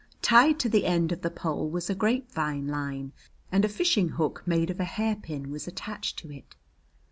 Tied to the end the pole was a grapevine line, and a fishing hook made of a hairpin was attached to it.